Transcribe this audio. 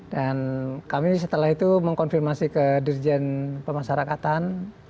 dan kami setelah itu mengkonfirmasi ke dirjen pemasaran